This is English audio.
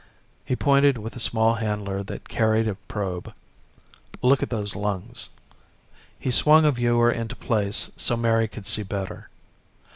He pointed with a small handler that carried a probe. "Look at those lungs." He swung a viewer into place so Mary could see better.